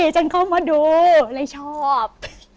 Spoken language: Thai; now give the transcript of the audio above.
ฉันเข้ามาดูเลยชอบ